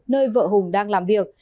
nơi vợ hùng đang làm việc